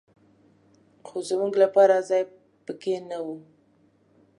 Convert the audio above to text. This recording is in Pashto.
خو زمونږ لپاره ځای په کې نه و.